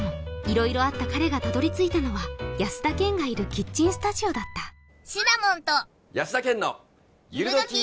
色々あった彼がたどり着いたのは安田顕がいるキッチンスタジオだったシナモンと安田顕のゆるドキ☆